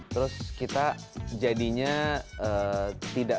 terus kita jadinya tidak tidak tidak